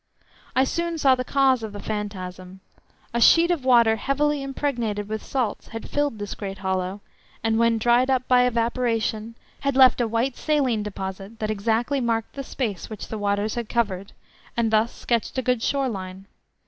I soon saw the cause of the phantasm. A sheet of water heavily impregnated with salts had filled this great hollow, and when dried up by evaporation had left a white saline deposit, that exactly marked the space which the waters had covered, and thus sketched a good shore line.